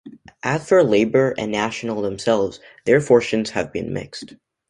As for Labour and National themselves, their fortunes have been mixed.